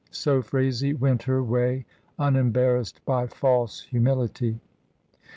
So Phraisie went her way, unembarrassed by false humility.